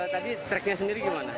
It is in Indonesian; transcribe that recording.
tadi tracknya sendiri gimana